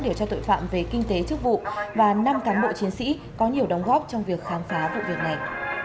điều tra tội phạm về kinh tế chức vụ và năm cán bộ chiến sĩ có nhiều đóng góp trong việc khám phá vụ việc này